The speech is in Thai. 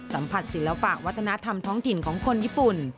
สัมผัสศิลปะวัฒนธรรมท้องถิ่นของคนญี่ปุ่น